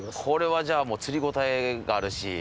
これはじゃあもう釣りごたえがあるし。